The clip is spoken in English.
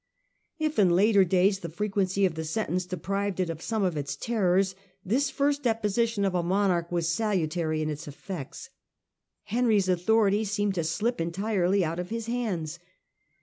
If in later days the frequency of the sentence deprived it of some of its terrors, this first deposition of a monarch was salutary in its effects. Henry's authority seemed to slip entirely out of his hands.